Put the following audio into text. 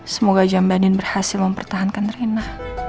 semoga aja mbak adin berhasil mempertahankan rena